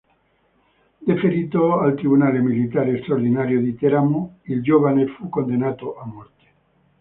Deferito al Tribunale militare straordinario di Teramo, il giovane fu condannato a morte.